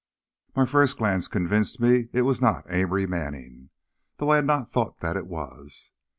My first glance convinced me it was not Amory Manning, though I had not thought that it was.